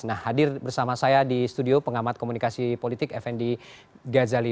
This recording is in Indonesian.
nah hadir bersama saya di studio pengamat komunikasi politik fnd gazali